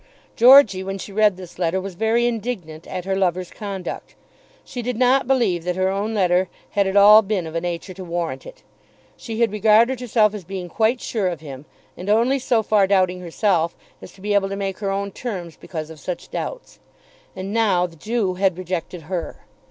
Georgey, when she read this letter, was very indignant at her lover's conduct. She did not believe that her own letter had at all been of a nature to warrant it. She had regarded herself as being quite sure of him, and only so far doubting herself, as to be able to make her own terms because of such doubts. And now the Jew had rejected her!